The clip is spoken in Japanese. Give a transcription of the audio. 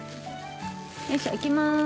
よいしょいきます！